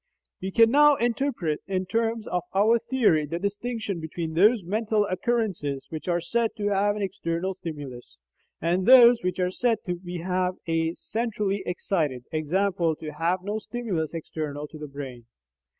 We can now interpret in terms of our theory the distinction between those mental occurrences which are said to have an external stimulus, and those which are said to be "centrally excited," i.e. to have no stimulus external to the brain.